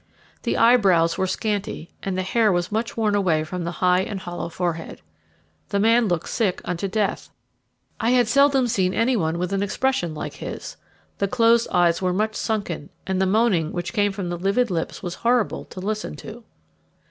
The eyebrows were scanty, and the hair was much worn away from the high and hollow forehead. The man looked sick unto death. I had seldom seen any one with an expression like his the closed eyes were much sunken, and the moaning which came from the livid lips was horrible to listen to.